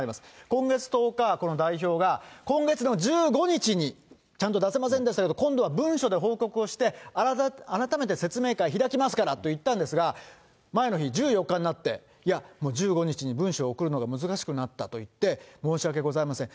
今月１０日、この代表が今月の１５日にちゃんと出せませんでしたけど、今度は文書で報告をして、改めて説明会開きますからって言ったんですが、前の日、１４日になって、いや、もう１５日に文書を送るのが難しくなったと言って、申し訳ございません。